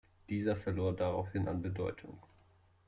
Dieser verlor daraufhin an Bedeutung.